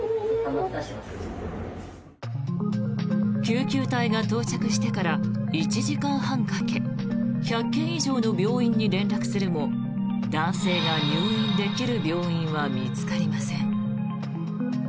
救急隊が到着してから１時間半かけ１００件以上の病院に連絡するも男性が入院できる病院は見つかりません。